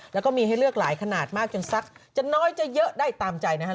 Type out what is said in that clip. แล้วก็มีให้เลือกหลายขนาดมากจนสักจะน้อยจะเยอะได้ตามใจนะฮะ